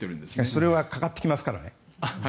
それはかかってきますからね。